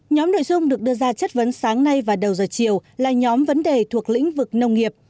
nhóm nội dung được đưa ra chất vấn sáng nay và đầu giờ chiều là nhóm vấn đề thuộc lĩnh vực nông nghiệp